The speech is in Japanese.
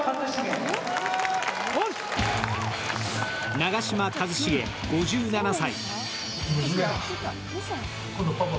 長嶋一茂５７歳。